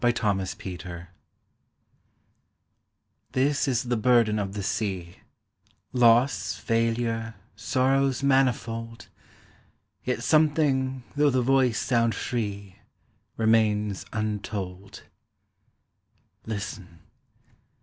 SEA SIGHING This is the burden of the Sea, Loss, failure, sorrows manifold; Yet something though the voice sound free Remains untold. Listen!